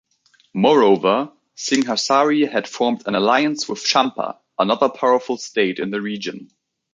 Moreover, Singhasari had formed an alliance with Champa, another powerful state in the region.